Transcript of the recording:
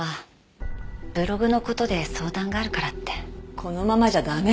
このままじゃ駄目。